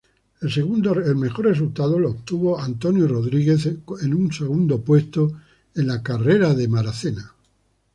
El mejor resultado lo obtuvo Ogier con un segundo puesto en el Rally Acrópolis.